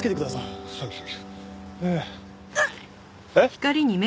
えっ？